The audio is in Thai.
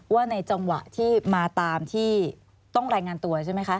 ว่าในจังหวะที่มาตามที่ต้องรายงานตัวใช่ไหมคะ